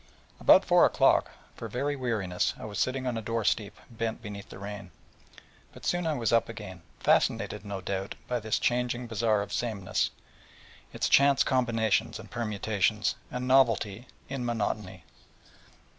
About four, for very weariness, I was sitting on a door steep, bent beneath the rain; but soon was up again, fascinated no doubt by this changing bazaar of sameness, its chance combinations and permutations, and novelty in monotony.